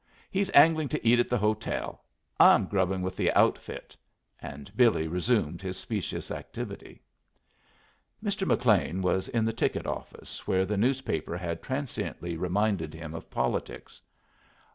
He's angling to eat at the hotel. I'm grubbing with the outfit." And Billy resumed his specious activity. Mr. McLean was in the ticket office, where the newspaper had transiently reminded him of politics.